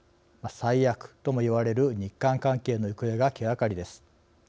最悪ともいわれる日韓関係の行方が気がかりです。